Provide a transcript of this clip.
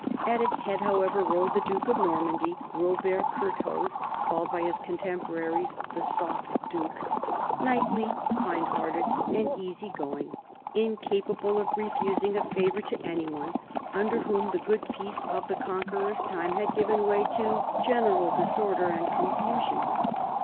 At its head, however, rode the duke of Normandy, Robert Curthose, called by his contemporaries ' the soft duke,' knightly, kind hearted, and easy going, incapable of refusing a favor to any one, under whom the good peace of the Conqueror's time had given way to general dis order and confusion.